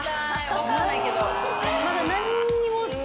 分かんないけど。